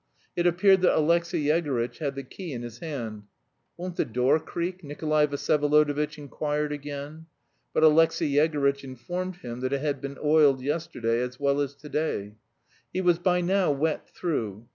It appeared that Alexey Yegorytch had the key in his hand. "Won't the door creak?" Nikolay Vsyevolodovitch inquired again. But Alexey Yegorytch informed him that it had been oiled yesterday "as well as to day." He was by now wet through.